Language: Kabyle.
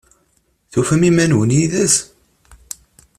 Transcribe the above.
Tufam iman-nwen yid-s?